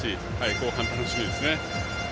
後半が楽しみですね。